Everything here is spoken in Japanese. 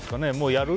やる？